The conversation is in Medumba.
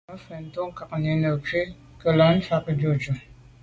Mafentu nkâgtʉ̌n nə̀ ywǐd ngə̀fə̂l ì nù mbàŋ gə̀ jʉ́ jú.